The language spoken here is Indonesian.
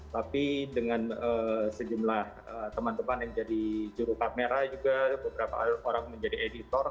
tapi dengan sejumlah teman teman yang jadi juru kamera juga beberapa orang menjadi editor